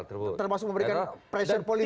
termasuk memberikan pressure politik